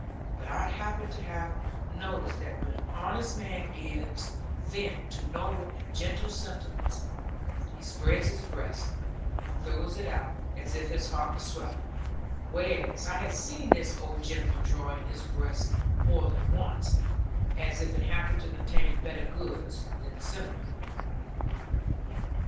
But I happened to have noticed that when an honest man gives vent to noble and great sentiments, he spreads his breast, and throws it out, as if his heart were swelling; whereas I had seen this old gentleman draw in his breast more than once, as if it happened to contain better goods than sentiment.